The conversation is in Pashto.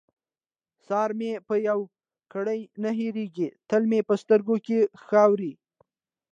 سارا مې په يوه ګړۍ نه هېرېږي؛ تل مې په سترګو کې ښوري.